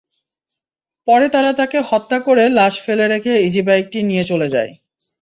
পরে তারা তাঁকে হত্যা করে লাশ ফেলে রেখে ইজিবাইকটি নিয়ে চলে যায়।